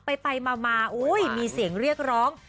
ไปมามีเสียงเรียกร้อง